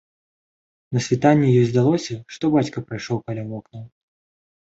На світанні ёй здалося, што бацька прайшоў каля вокнаў.